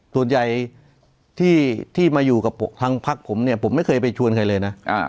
ส่วนใหญ่ที่มาอยู่กับทางพักผมเนี่ยผมไม่เคยไปชวนใครเลยนะ